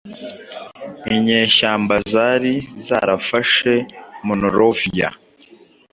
Inyeshyamba zari zarafashe Monrovia